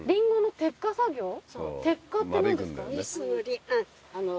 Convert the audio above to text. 摘果って何ですか？